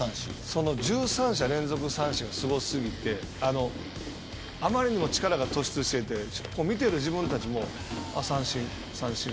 その１３者連続奪三振がすごすぎてあまりにも力が突出していて見てる自分たちも三振、三振